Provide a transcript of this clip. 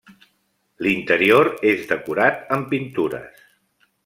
L'interior és decorat amb pintures.